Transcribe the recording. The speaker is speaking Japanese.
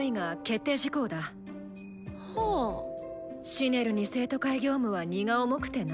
シネルに生徒会業務は荷が重くてな。